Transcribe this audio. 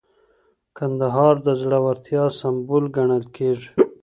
کندهار د زړورتیا سمبول ګڼل کېږي.